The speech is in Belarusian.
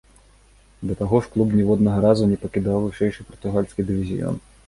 Да таго ж, клуб ніводнага разу не пакідаў вышэйшы партугальскі дывізіён.